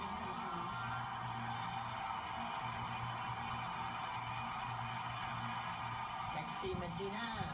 ข้อมูลเข้ามาดูครับ